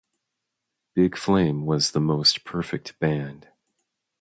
Big Flame was the most perfect band.